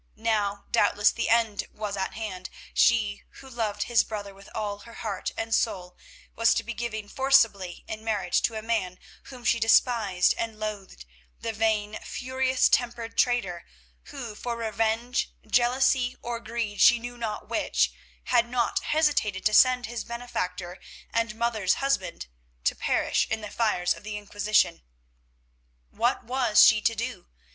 Now, doubtless, the end was at hand. She, who loved his brother with all her heart and soul, was to be given forcibly in marriage to a man whom she despised and loathed, the vain, furious tempered traitor, who, for revenge, jealousy, or greed, she knew not which, had not hesitated to send his benefactor, and mother's husband, to perish in the fires of the Inquisition. What was she to do?